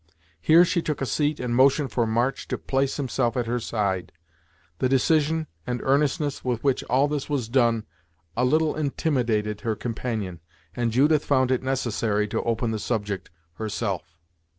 Here she took a seat and motioned for March to place himself at her side. The decision and earnestness with which all this was done a little intimidated her companion, and Judith found it necessary to open the subject herself.